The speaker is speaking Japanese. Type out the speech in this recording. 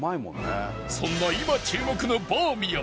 そんな今注目のバーミヤン